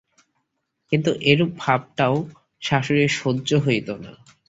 কিন্তু এরূপ ভাবটাও শাশুড়ির সহ্য হইত না।